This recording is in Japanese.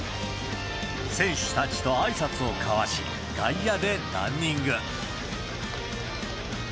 選手たちとあいさつを交わし、外野でランニング。